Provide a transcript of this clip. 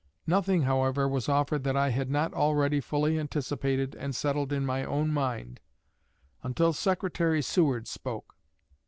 Nothing, however, was offered that I had not already fully anticipated and settled in my own mind, until Secretary Seward spoke.